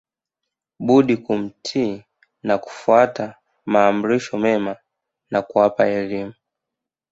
budi kumtii na kufuata maamrisho mema na kuwapa elimu